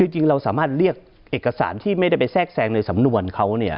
จริงเราสามารถเรียกเอกสารที่ไม่ได้ไปแทรกแซงในสำนวนเขา